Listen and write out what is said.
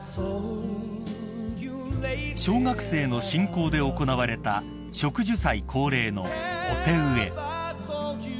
［小学生の進行で行われた植樹祭恒例のお手植え］